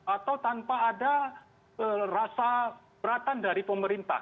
atau tanpa ada rasa beratan dari pemerintah